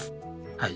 はい。